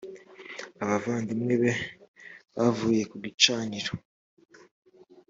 abavandimwe be bavuye ku gicaniro